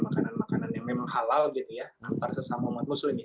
makanan makanan yang memang halal gitu ya antar sesama umat muslim ya